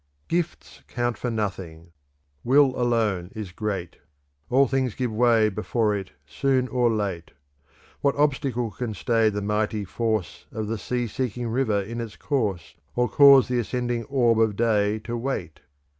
Gifts count for nothing, will alone is great; All things give way before it soon or late. What obstacle can stay the mighty force Of the sea seeking river in its course, Or cause the ascending orb of day to wait?